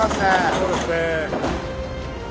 そうですね。